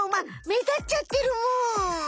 めだっちゃってるむ。